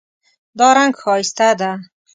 دا رنګ ښایسته ده